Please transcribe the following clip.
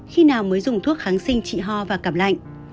khi nào mới dùng thuốc kháng sinh chị ho và cảm lạnh